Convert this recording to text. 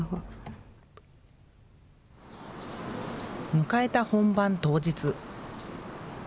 迎えた本番当日。